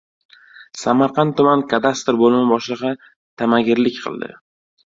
Samarqand tuman kadastr bo‘limi boshlig‘i tamagirlik qildi